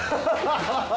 ハハハハ！